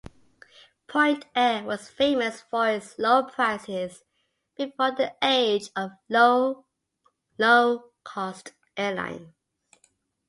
Point Air was famous for its low prices, before the age of low-cost airlines.